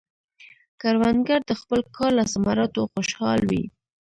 کروندګر د خپل کار له ثمراتو خوشحال وي